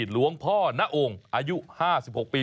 หลวงพ่อณองค์อายุ๕๖ปี